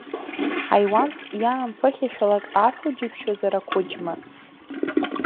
Ҳаиуанс иаамԥыхьашәалак афо џьышәшьозар ақәыџьма?!